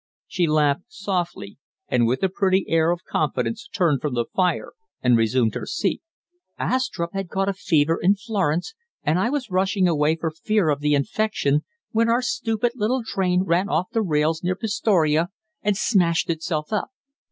She laughed softly; and with a pretty air of confidence turned from the fire and resumed her seat. "Astrupp had caught a fever in Florence, and I was rushing away for fear of the infection, when our stupid little train ran off the rails near Pistoria and smashed itself up.